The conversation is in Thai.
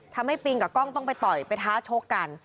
ทำให้ปิงกับก้องต้องไปต่อยไปท้าโชคกัน